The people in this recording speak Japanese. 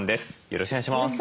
よろしくお願いします。